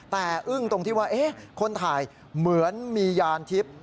แต่อึ้งตรงที่ว่าคนถ่ายเหมือนมียานทิพย์